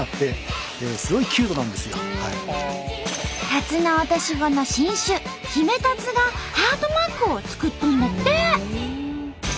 タツノオトシゴの新種「ヒメタツ」がハートマークを作っとんだって！